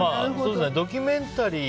ドキュメンタリー。